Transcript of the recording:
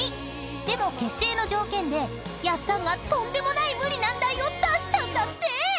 ［でも結成の条件でやっさんがとんでもない無理難題を出したんだって！］